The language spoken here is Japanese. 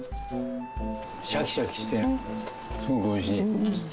シャキシャキしてすごくおいしい。